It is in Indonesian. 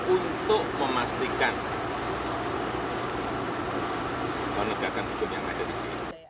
untuk memastikan penegakan hukum yang ada disini